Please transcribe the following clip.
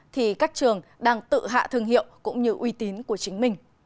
thì các trường đang tự hạ thương hiệu cũng như uy tín của chính mình